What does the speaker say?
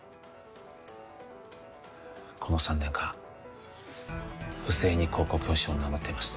この３年間不正に高校教師を名乗っています